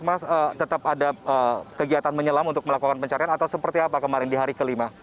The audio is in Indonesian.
mas tetap ada kegiatan menyelam untuk melakukan pencarian atau seperti apa kemarin di hari kelima